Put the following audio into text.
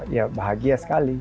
ya bahagia sekali